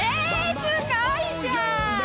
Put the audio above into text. すごいじゃん！